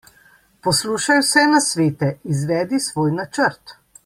Poslušaj vse nasvete, izvedi svoj načrt.